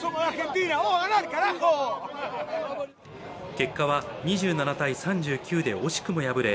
結果は２７−３９で惜しくも敗れ